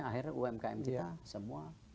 akhirnya umkm kita semua